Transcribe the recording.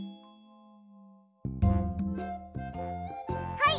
はい。